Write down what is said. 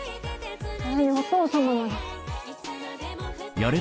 それにお父様まで。